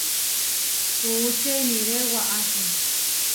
Puúče iniré waʼasi.